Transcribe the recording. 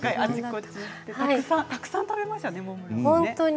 たくさん食べましたね。